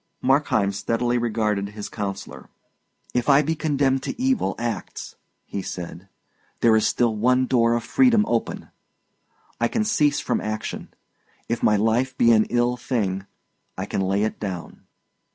Markheim steadily regarded his counsellor. "If I be condemned to evil acts," he said, "there is still one door of freedom open: I can cease from action. If my life be an ill thing, I can lay it down.